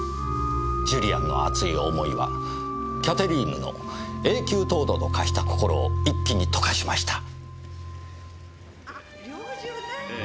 ジュリアンの熱い思いはキャテリーヌの永久凍土と化した心を一気に溶かしました。